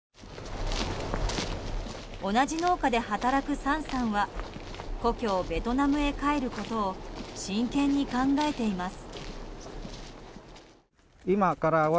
同じ農家で働く、サンさんは故郷ベトナムへ帰ることを真剣に考えています。